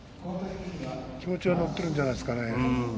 気持ちがのってるんじゃないですかね。